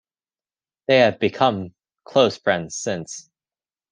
They have become close friends since.